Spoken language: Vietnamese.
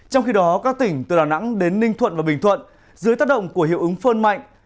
trong khi đó các tỉnh từ đà nẵng đến ninh thuận và bình thuận dưới tác động của hiệu ứng phơn mạnh